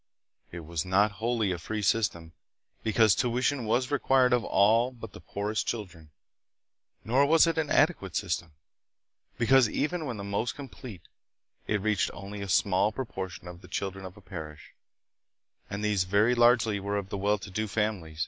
It was not wholly a free system, because tuition was required of all but the poorest children; nor was it an adequate system, because, even when most complete, it reached only a small pro portion of the children of a parish, and these very largely Cathedral, Manila. were of the well to do families.